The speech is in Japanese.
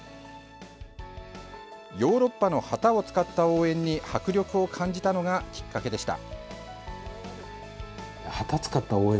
ヨーロッパの旗を使った応援に迫力を感じたのがきっかけでした。